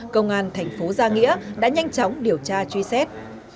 công an tp gia nghĩa đã nhanh chóng điều tra truy xét